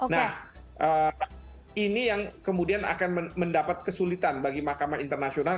nah ini yang kemudian akan mendapat kesulitan bagi mahkamah internasional